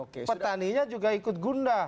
petaninya juga ikut gundah